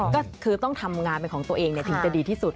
ก็คือต้องทำงานเป็นของตัวเองถึงจะดีที่สุด